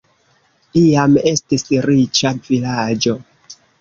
Iam estis riĉa vilaĝo.